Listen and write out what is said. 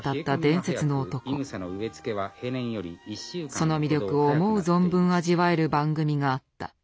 その魅力を思う存分味わえる番組があった。